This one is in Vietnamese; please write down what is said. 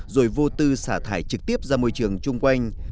rồi vô tư xả thải trực tiếp ra môi trường chung quanh